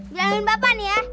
bilangin bapak nih ya